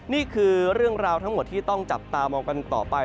นี่คือเรื่องราวทั้งหมดที่ต้องจับตามองกันต่อไป